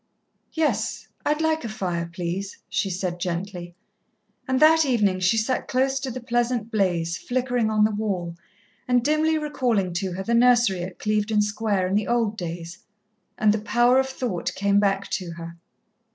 "Yes, I'd like a fire, please," she said gently. And that evening she sat close to the pleasant blaze, flickering on the wall, and dimly recalling to her the nursery at Clevedon Square in the old days, and the power of thought came back to her.